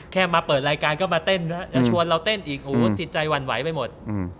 แค่มาเปิดรายการก็มาเต้นจะชวนเราเต้นอีกโอ้โหจิตใจหวั่นไหวไปหมด